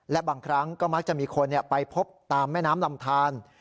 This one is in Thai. และบางครั้งก็มักจะมีคนไปพบตามแม่น้ำลำทาน